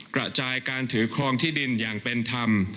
กระจายการถือครองที่ดินอย่างเป็นธรรม